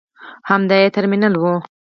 همدا یې ترمینل و.